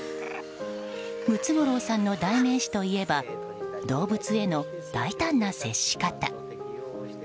ムツゴロウさんの代名詞といえば動物への大胆な接し方。